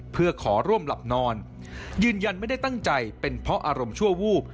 เพื่อขอร่วมหลับนอนยืนยันไม่ได้ตั้งใจเป็นเพราะอารมณ์ชั่ววูบ